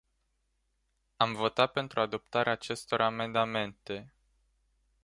Am votat pentru adoptarea acestor amendamente.